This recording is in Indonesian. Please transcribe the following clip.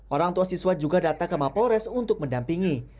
orang tua siswa juga datang ke mapolres untuk mendampingi